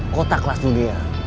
kota kelas dunia